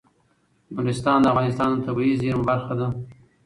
نورستان د افغانستان د طبیعي زیرمو برخه ده.